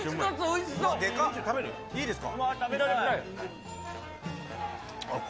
いいですか？